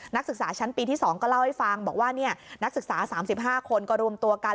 นักศึกษาชั้นปีที่๒ก็เล่าให้ฟังบอกว่านักศึกษา๓๕คนก็รวมตัวกัน